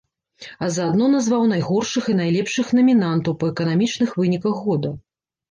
А заадно назваў найгоршых і найлепшых намінантаў па эканамічных выніках года.